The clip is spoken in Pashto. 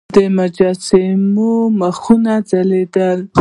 د مجسمو مخونه ځلیدل